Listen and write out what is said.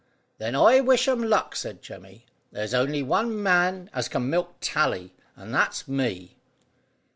"Then I wish 'em luck," said Jemmy. "There's only one man as can milk Tally, and that's me."